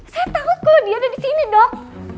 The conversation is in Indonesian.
saya takut kalau dia ada disini dok